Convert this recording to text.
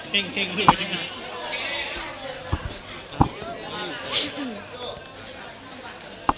แห่งด้วย